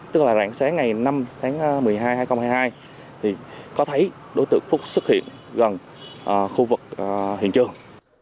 tức là rạng sáng ngày năm tháng một mươi hai hai nghìn hai mươi hai thì có thấy đối tượng phúc xuất hiện gần khu vực hiện trường